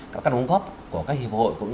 các đồng góp của các hiệp hội